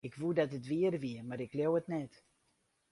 Ik woe dat it wier wie, mar ik leau it net.